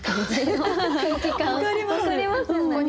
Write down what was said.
分かりますよね？